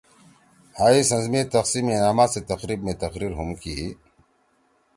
حئی سنز می تقسیم انعامات سی تقریب می تقریر ہُم کی